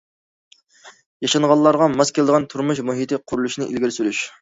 ياشانغانلارغا ماس كېلىدىغان تۇرمۇش مۇھىتى قۇرۇلۇشىنى ئىلگىرى سۈرۈش.